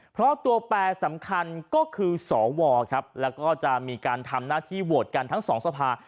เพราะตัวแปรสำคัญก็คือสวครับแล้วก็จะมีการทำหน้าที่โหวตกันทั้งสองสภา